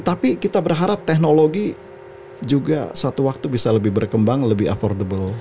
tapi kita berharap teknologi juga suatu waktu bisa lebih berkembang lebih affordable